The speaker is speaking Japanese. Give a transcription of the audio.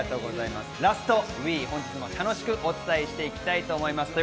ラストＷＥ、本日も楽しくお伝えしていきたいと思います。